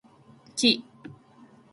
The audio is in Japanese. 木